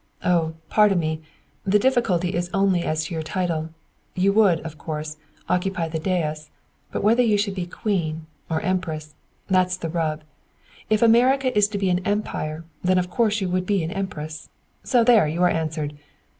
"Oh, pardon me! The difficulty is only as to title you would, of course, occupy the dais; but whether you should be queen or empress that's the rub! If America is to be an empire, then of course you would be an empress. So there you are answered."